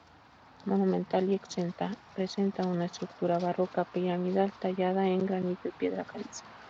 Monumental y exenta, presenta una estructura barroca piramidal tallada en granito y piedra caliza.